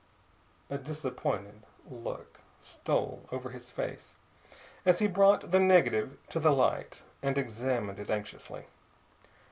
A disappointed look stole over his face as he brought the negative to the light and examined it anxiously.